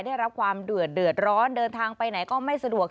ได้รับความเดือดร้อนเดินทางไปไหนก็ไม่สะดวก